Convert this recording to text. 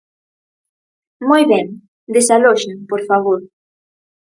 Moi ben, desaloxen, por favor.